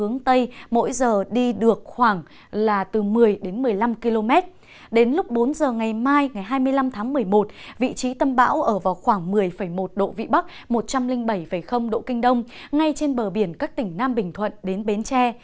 ngay trên bờ biển các tỉnh nam bình thuận đến bến tre